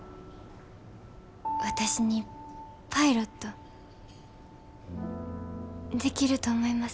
私にパイロットできると思いますか？